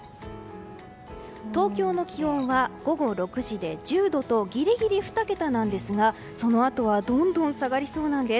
東京の気温は午後６時で１０度とギリギリ２桁なんですがそのあとはどんどん下がりそうなんです。